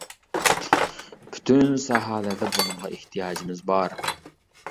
پۈتۈن ساھەلەردە بۇنىڭغا ئېھتىياجىمىز بار.